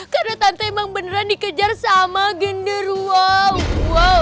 karena tante emang beneran dikejar sama genderwo wo wo